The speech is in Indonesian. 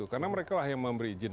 karena mereka lah yang memberi izin